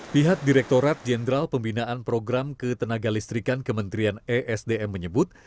pihak direkturat jenderal pembinaan program ketenaga listrikan kementerian esdm menyebut